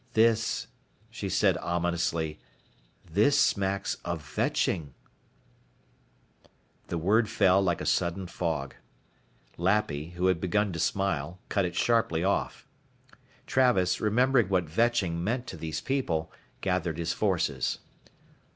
"This," she said ominously, "this smacks of vetching." The word fell like a sudden fog. Lappy, who had begun to smile, cut it sharply off. Travis, remembering what vetching meant to these people, gathered his forces.